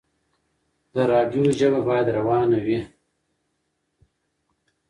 د راډيو ژبه بايد روانه وي.